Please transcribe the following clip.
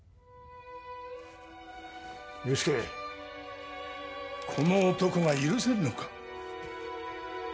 憂助、この男が許せるのか。